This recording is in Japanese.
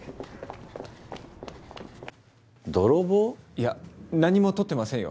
いや何もとってませんよ